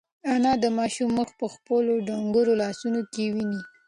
انا د ماشوم مخ په خپلو ډنگرو لاسونو کې ونیو.